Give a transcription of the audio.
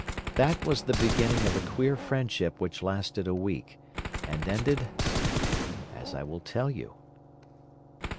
That was the beginning of a queer friendship which lasted a week, and ended—as I will tell you!